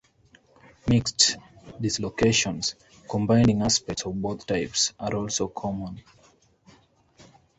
"Mixed" dislocations, combining aspects of both types, are also common.